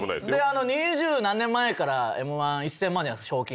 二十何年前からＭ−１１，０００万じゃないですか賞金。